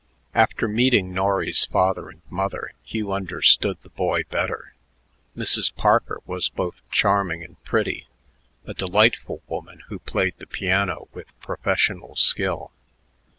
After meeting Norry's father and mother, Hugh understood the boy better. Mrs. Parker was both charming and pretty, a delightful woman who played the piano with professional skill.